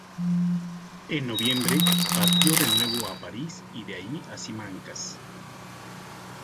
En noviembre partió de nuevo a París y de allí a Simancas.